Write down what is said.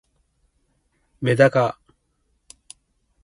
めだか